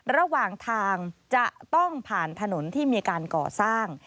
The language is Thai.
ระหว่างทางจะต้องผ่านถนนที่มีการก่อสร้าง